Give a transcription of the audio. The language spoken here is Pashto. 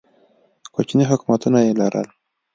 کوچني حکومتونه یې لرل.